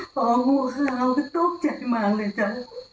ของหัวขาวตุ๊กใจมากเลยจ๊ะ